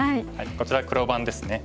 こちら黒番ですね。